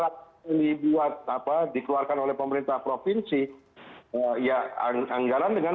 anggaran yang dilakukan apa dikeluarkan oleh pemerintah provinsi ya anggaran dengan